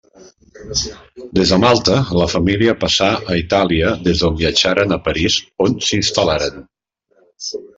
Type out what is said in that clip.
Des de Malta, la família passà a Itàlia des d'on viatjaren a París on s'instal·laren.